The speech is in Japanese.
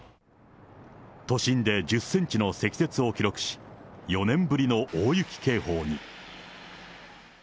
都心で１０センチの積雪を記録し、４年ぶりの大雪警報に。